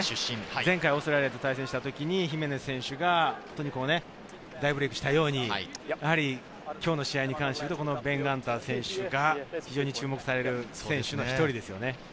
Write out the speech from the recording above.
前回オーストラリアと対戦した時、姫野選手が大ブレイクしたように、今日の試合に関してベン・ガンター選手が非常に注目される選手の１人ですよね。